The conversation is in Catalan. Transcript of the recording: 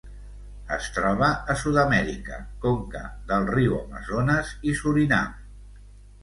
Es troba a Sud-amèrica: conca del riu Amazones i Surinam.